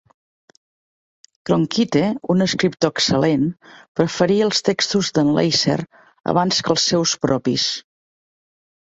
Cronkite, un escriptor excel·lent, preferia el textos de"n Leiser abans que els seus propis.